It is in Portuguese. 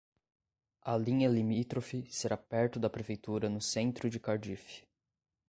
A linha limítrofe será perto da Prefeitura no centro de Cardiff.